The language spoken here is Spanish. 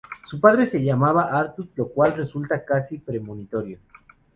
Su padre se llamaba Arthur, lo cual resulta casi premonitorio.